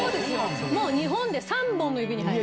日本で３本の指に入る。